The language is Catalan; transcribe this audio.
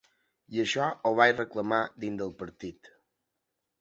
I això ho vaig reclamar dins del partit.